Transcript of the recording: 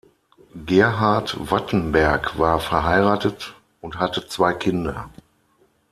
Gerhard Wattenberg war verheiratet und hatte zwei Kinder.